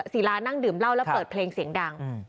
ศิลานั่งดื่มเหล้าแล้วเปิดเพลงเสียงดัง